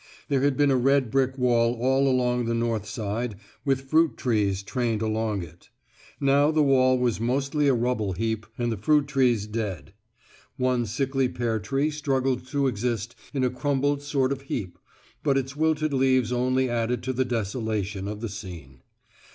There had been a red brick wall all along the north side with fruit trees trained along it. Now, the wall was mostly a rubble heap, and the fruit trees dead. One sickly pear tree struggled to exist in a crumpled sort of heap, but its wilted leaves only added to the desolation of the scene.